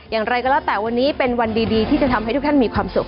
อย่างไรก็แล้วแต่วันนี้เป็นวันดีที่จะทำให้ทุกท่านมีความสุข